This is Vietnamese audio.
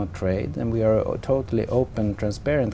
ở ngoài việc nền tảng